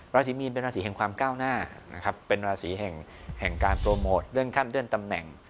ราศีมีนเป็นราศีแห่งความก้าวหน้านะครับเป็นราศีแห่งการโปรโมทเลื่อนขั้นเลื่อนตำแหน่ง